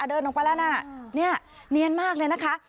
อ่ะเดินออกไปแล้วน่ะเนี่ยเนียนมากเลยนะคะ